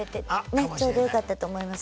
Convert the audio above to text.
ねちょうどよかったと思います。